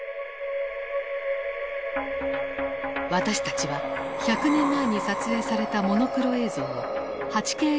私たちは１００年前に撮影されたモノクロ映像を８Ｋ映像に高精細化